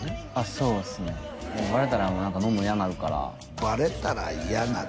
そうっすねバレたら乗んの嫌なるからバレたら嫌なる？